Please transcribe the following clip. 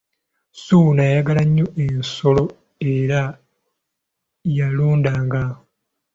Ssuuna yayagalanga nnyo ensolo era yalundanga: